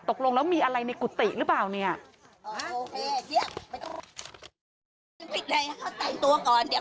ตกลงแล้วมีอะไรในกุฏิหรือเปล่าเนี่ย